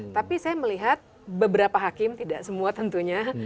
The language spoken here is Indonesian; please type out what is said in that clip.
tapi saya melihat beberapa hakim tidak semua tentunya